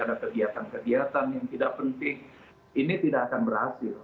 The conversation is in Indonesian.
ada kegiatan kegiatan yang tidak penting ini tidak akan berhasil